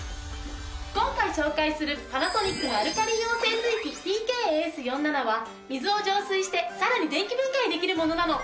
今回紹介するパナソニックのアルカリイオン整水器ＴＫ−ＡＳ４７は水を浄水してさらに電気分解できるものなの。